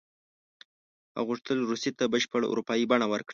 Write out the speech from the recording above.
هغه غوښتل روسیې ته بشپړه اروپایي بڼه ورکړي.